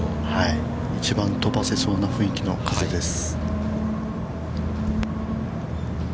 一番飛ばせそうな雰囲気の風です。